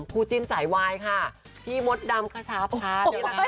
ผู้จิ้มสายไวค่ะพี่มดตามขชาภาตดูนะคะ